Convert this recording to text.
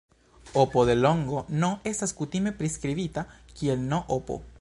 Opo de longo "n" estas kutime priskribita kiel "n"-opo.